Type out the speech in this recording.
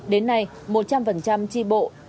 đến nay một trăm linh chi bộ